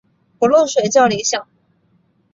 不漏水较理想。